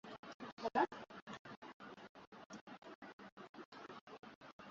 hali lakini inaendelea kuwa mbaya zaidi kwa maana ya kwamba